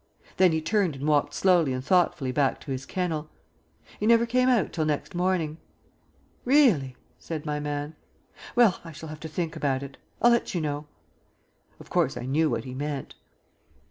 Then he turned and walked slowly and thoughtfully back to his kennel. He never came out till next morning." "Really?" said my man. "Well, I shall have to think about it. I'll let you know." Of course, I knew what he meant.